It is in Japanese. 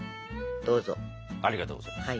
ありがとうございます。